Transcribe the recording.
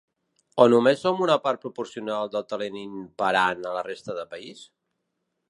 O només som una part proporcional del talent imperant a la resta de país?